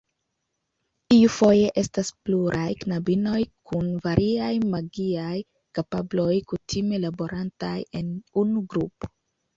Iufoje estas pluraj knabinoj kun variaj magiaj kapabloj, kutime laborantaj en unu grupo.